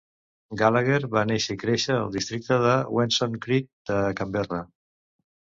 Gallagher va néixer i créixer al districte de Weston Creek de Canberra.